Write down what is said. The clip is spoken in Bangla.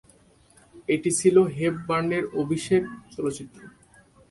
এটি ছিল হেপবার্নের অভিষেক চলচ্চিত্র।